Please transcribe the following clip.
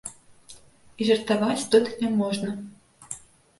І жартаваць тут не можна.